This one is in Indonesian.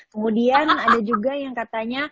kemudian ada juga yang katanya